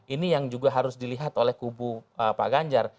ini yang juga harus dilihat oleh kubu pak ganjar